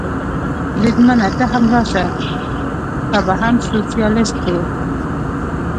بریدمنه، ته هم راشه، تا به هم سوسیالیست کړو.